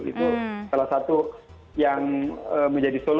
itu salah satu yang menjadi solusi